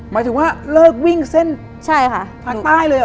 หมายถึงว่าเลิกวิ่งเส้นใช่ค่ะทางใต้เลยเหรอ